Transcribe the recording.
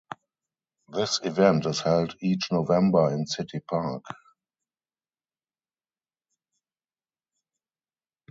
This event is held each November in City Park.